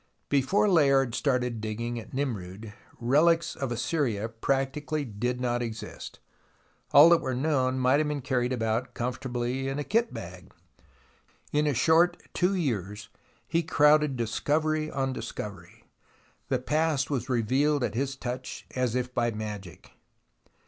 Before Layard started digging at Nimroud, rehcs of Assyria practically did not exist. All that were known might have been carried about comfortably in a kit bag. In a short two years he crowded discovery on discovery. The past was revealed at his touch as if by magic.